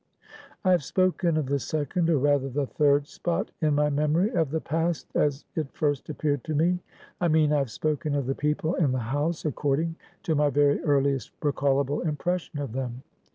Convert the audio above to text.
"I have spoken of the second or rather the third spot in my memory of the past, as it first appeared to me; I mean, I have spoken of the people in the house, according to my very earliest recallable impression of them.